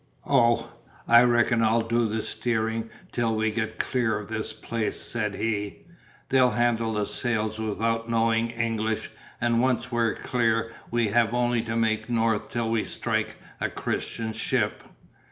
"Oh, I reckon I'll do the steering till we get clear of this place," said he, "they'll handle the sails without knowing English and once we're clear we have only to make north till we strike a Christian ship."